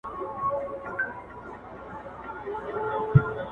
کوم څه چي تاسو اوريدلي دي.